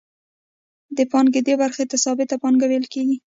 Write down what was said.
د پانګې دې برخې ته ثابته پانګه ویل کېږي